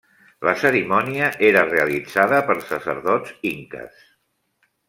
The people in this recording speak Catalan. La cerimònia era realitzada per sacerdots inques.